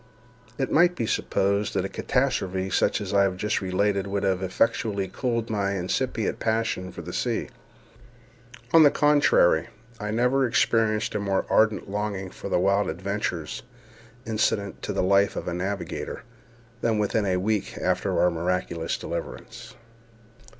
It might be supposed that a catastrophe such as I have just related would have effectually cooled my incipient passion for the sea. On the contrary, I never experienced a more ardent longing for the wild adventures incident to the life of a navigator than within a week after our miraculous deliverance.